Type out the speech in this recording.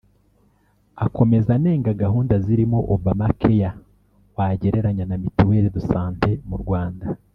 Akomeza anenga gahunda zirimo ‘Obama care’ wagereranya na Mutuelle de santé mu Rwanda